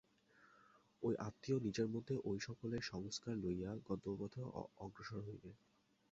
ঐ আত্মা নিজের মধ্যে ঐ-সকলের সংস্কার লইয়া গন্তব্যপথে অগ্রসর হইবে।